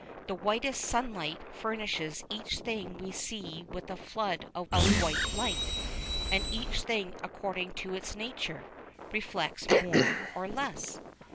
The white sunlight furnishes each thing we see with a flood of white light, and each thing according to its nature, reflects more or less.